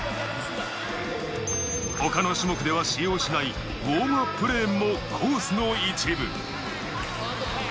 他の種目では使用しないウオームアップレーンもコースの一部。